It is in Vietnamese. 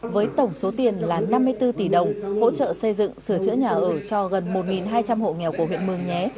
với tổng số tiền là năm mươi bốn tỷ đồng hỗ trợ xây dựng sửa chữa nhà ở cho gần một hai trăm linh hộ nghèo của huyện mường nhé